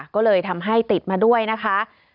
ก็เลยทำให้ติดมาด้วยนะคะ